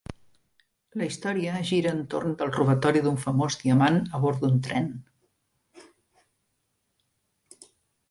La història gira entorn del robatori d'un famós diamant a bord d'un tren.